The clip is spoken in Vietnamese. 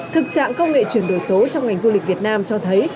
thực trạng công nghệ chuyển đổi số trong ngành du lịch việt nam cho thấy